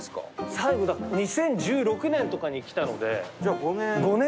最後２０１６年とかに来たのでじゃあ５年。